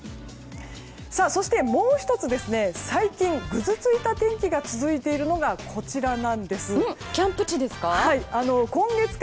そこでもう１つ、最近ぐずついた天気が続いているのがキャンプ地ですか？